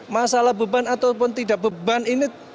masalah beban ataupun tidak beban ini